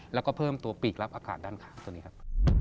แล้วก็เพิ่มตัวปีกรับอากาศด้านข้างสวัสดีครับ